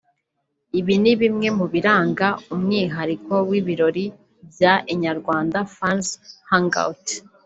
Ibi ni bimwe mu biranga umwihariko w’ibirori bya Inyarwanda Fans Hangout